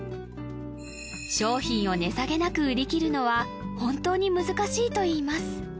商品を値下げなく売り切るのは本当に難しいといいます